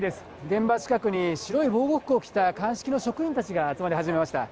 現場近くに、白い防護服を着た鑑識の職員たちが集まり始めました。